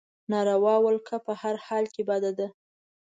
ناروا ولکه په هر حال کې بده ده.